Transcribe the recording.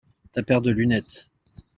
ta paire de lunettes.